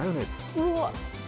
うわっ！